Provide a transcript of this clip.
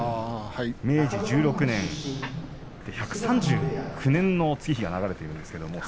明治１６年、１３９年の月日が流れています。